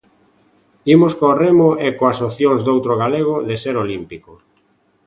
Imos co remo e coas opcións doutro galego de ser olímpico.